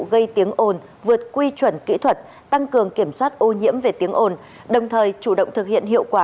gây tiếng ồn vượt quy chuẩn kỹ thuật tăng cường kiểm soát ô nhiễm về tiếng ồn đồng thời chủ động thực hiện hiệu quả